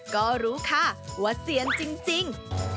ก็รู้ค่ะว่าเซียนจริง